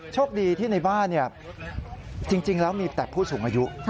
โชคดีที่ในบ้านจริงแล้วมีแต่ผู้สูงอายุ